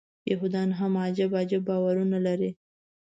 یهودان هم عجب عجب باورونه لري.